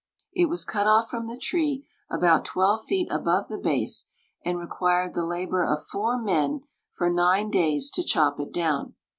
It was cut off from the tree about 12 feet above the base, and required the labor of four men for nine days to chop it down.